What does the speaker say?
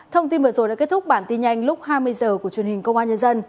thông tin vừa rồi đã kết thúc bản tin nhanh lúc hai mươi h của truyền hình công an nhân dân